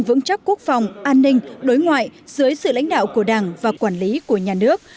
vững chắc quốc phòng an ninh đối ngoại dưới sự lãnh đạo của đảng và quản lý của nhà nước